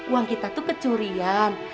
uang kita tuh kecurian